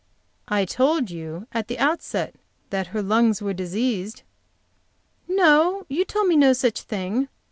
"I told you at the outset that her lungs were diseased." "No, you told me no such thing.